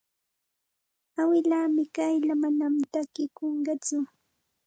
Awilaa Mikayla manam takikunqatsu.